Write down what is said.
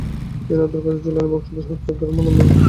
তিনি আব্দুল কাদের জিলানির বংশধর হাফিজ আবদুর রহমান মুঙ্গেরী ছেলে।